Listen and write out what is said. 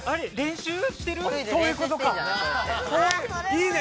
いいね！